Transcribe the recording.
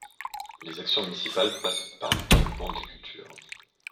Les actions municipales passent par le développement de la culture.